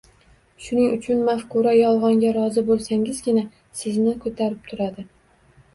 Shuning uchun, mafkura yolg‘onga rozi bo‘lsangizgina sizni ko‘tarib turadi.